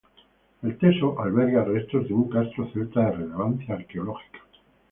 El teso alberga restos de un castro celta de relevancia arqueológica.